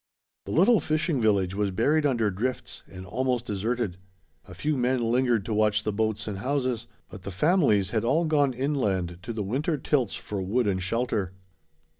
The little fishing village was buried under drifts and almost deserted. A few men lingered to watch the boats and houses; but the families had all gone inland to the winter tilts for wood and shelter.